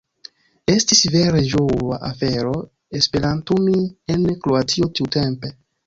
Estis vere ĝua afero esperantumi en Kroatio tiutempe.